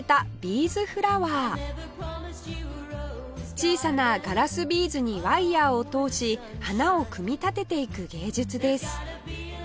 小さなガラスビーズにワイヤを通し花を組み立てていく芸術です